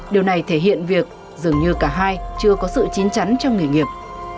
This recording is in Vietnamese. điều này thể hiện việc dường như cả hai chưa có sự chín chắn trong nghề nghiệp